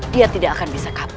dia tidak akan bisa kabur